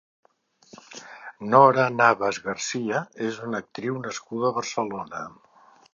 Nora Navas Garcia és una actriu nascuda a Barcelona.